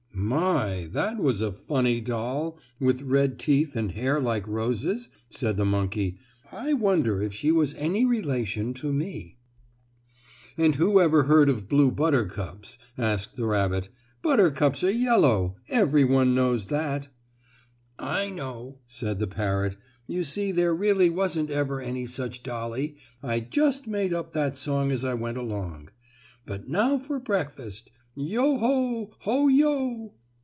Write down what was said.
"My! That was a funny doll, with red teeth and hair like roses," said the monkey. "I wonder if she was any relation to me?" "And who ever heard of blue buttercups?" asked the rabbit. "Buttercups are yellow! Every one knows that." "I know," said the parrot. "You see there really wasn't ever any such dollie I just made up that song as I went along. But now for breakfast. Yo, ho! Ho, yo!"